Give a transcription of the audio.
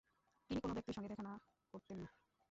তিনি কোন ব্যক্তির সঙ্গে দেখা না করতেন না।